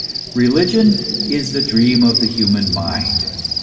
Religion is the dream of the human mind.